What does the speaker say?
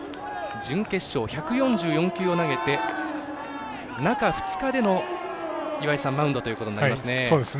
準決勝、１４４球を投げて中２日でのマウンドということになりますね。